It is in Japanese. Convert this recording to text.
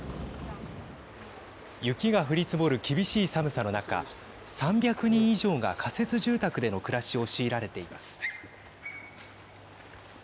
雪が降り積もる厳しい寒さの中３００人以上が仮設住宅での暮らしを強いられています。